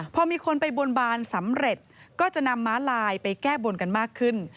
พอมีคนไปบนบานสำเร็จก็จะนำม้าลายไปแก้บนกันมากขึ้น